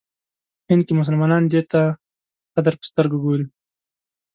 هند کې مسلمانان دی ته قدر په سترګه ګوري.